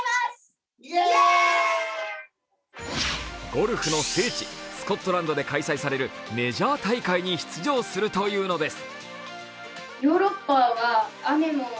ゴルフの聖地、スコットランドで開催されるメジャー大会に出場するというのです。